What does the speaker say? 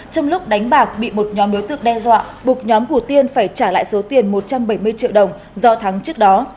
trong lúc đánh bạc bị một nhóm đối tượng đe dọa buộc nhóm của tiên phải trả lại số tiền một trăm bảy mươi triệu đồng do thắng trước đó